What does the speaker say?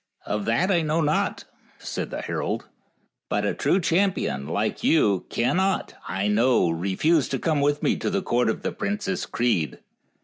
" Of that I know not," said the herald ;" but a true champion, like you, cannot, I know, re fuse to come with me to the court of the Princess Crede."